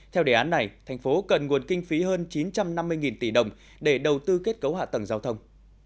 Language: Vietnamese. theo đề án này thành phố cần nguồn kinh phí hơn chín trăm năm mươi tỷ đồng để đầu tư kết cấu hạ tầng giao thông